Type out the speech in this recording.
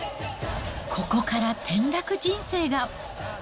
ここから転落人生が。